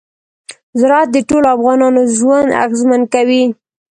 زراعت د ټولو افغانانو ژوند اغېزمن کوي.